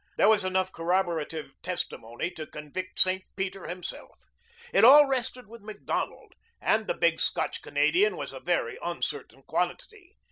There was enough corroborative testimony to convict St. Peter himself. It all rested with Macdonald and the big Scotch Canadian was a very uncertain quantity.